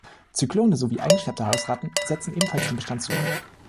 Zyklone sowie eingeschleppte Hausratten setzen ebenfalls dem Bestand zu.